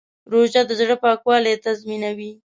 روژه د زړه پاکوالی تضمینوي.